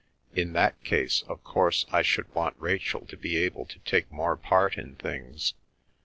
In that case, of course, I should want Rachel to be able to take more part in things.